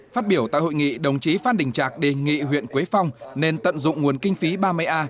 phát biểu tại hội nghị đồng chí phan đình trạc đề nghị huyện quế phong nên tận dụng nguồn kinh phí ba mươi a